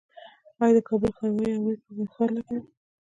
آیا د کابل ښاروالي عواید په ښار لګوي؟